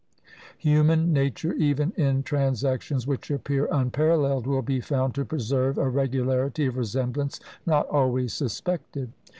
Human nature, even in transactions which appear unparalleled, will be found to preserve a regularity of resemblance not always suspected.